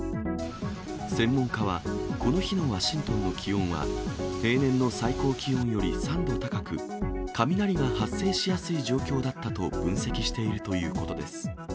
専門家は、この日のワシントンの気温は、平年の最高気温より３度高く、雷が発生しやすい状況だったと分析しているということです。